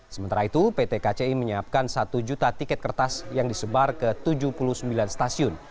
sementara itu pt kci menyiapkan satu juta tiket kertas yang disebar ke tujuh puluh sembilan stasiun